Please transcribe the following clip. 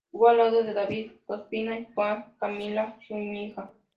Jugó al lado de David Ospina y Juan Camilo Zuñiga.